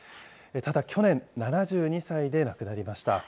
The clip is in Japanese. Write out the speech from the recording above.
ただ、去年、７２歳で亡くなりました。